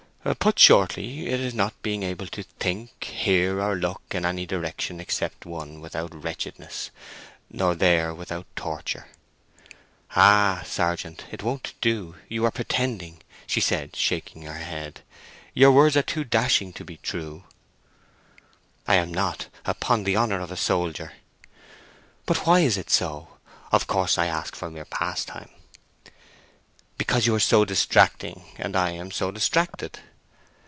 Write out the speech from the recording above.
"Put shortly, it is not being able to think, hear, or look in any direction except one without wretchedness, nor there without torture." "Ah, sergeant, it won't do—you are pretending!" she said, shaking her head. "Your words are too dashing to be true." "I am not, upon the honour of a soldier." "But why is it so?—Of course I ask for mere pastime." "Because you are so distracting—and I am so distracted."